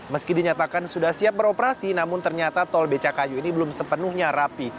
meski dinyatakan sudah siap beroperasi namun ternyata tol becakayu ini belum sepenuhnya rapi